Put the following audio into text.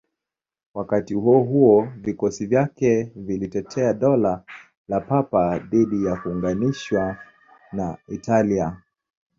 Wakati huo huo, vikosi vyake vilitetea Dola la Papa dhidi ya kuunganishwa na Italia.